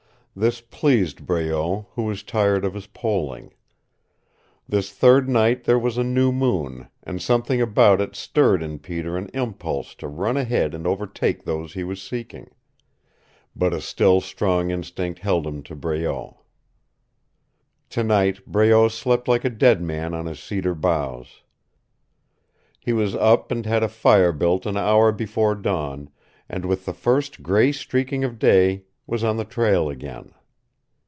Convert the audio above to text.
This pleased Breault, who was tired of his poling. This third night there was a new moon, and something about it stirred in Peter an impulse to run ahead and overtake those he was seeking. But a still strong instinct held him to Breault. Tonight Breault slept like a dead man on his cedar boughs. He was up and had a fire built an hour before dawn, and with the first gray streaking of day was on the trail again.